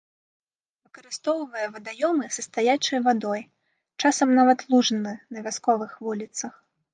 Выкарыстоўвае вадаёмы са стаячай вадою, часам нават лужыны на вясковых вуліцах.